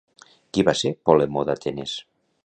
Qui va ser Polemó d'Atenes?